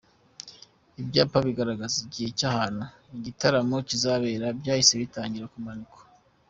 Ibyapa bigaragaza igihe n'ahantu igitaramo kizabera byahise bitangira kumanikwa.